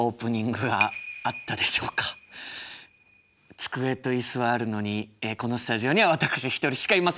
机と椅子はあるのにこのスタジオには私一人しかいません。